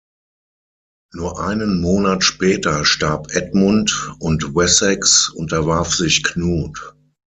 Nur einen Monat später starb Edmund, und Wessex unterwarf sich Knut.